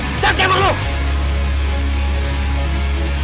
aku tidak ketinggalan pasti ini aja